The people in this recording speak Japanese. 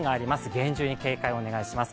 厳重に警戒をお願いします。